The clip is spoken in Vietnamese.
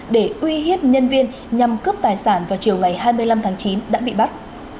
để uy hiếp nhân viên nhằm cướp tài sản vào chiều ngày hai mươi năm tháng chín đã bị bắt